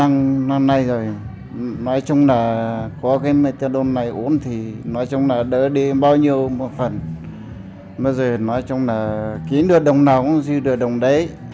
nói chung là kiếm được đồng nào cũng giữ được đồng đấy